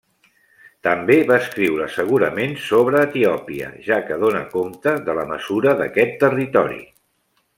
També va escriure segurament sobre Etiòpia, ja que dóna compte de la mesura d'aquest territori.